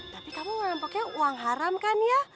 tapi kamu nampaknya uang haram kan ya